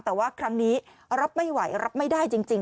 แต่ว่าครั้งนี้รับไม่ไหวรับไม่ได้จริง